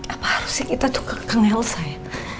apa harusnya kita tuh kekeng elsa ya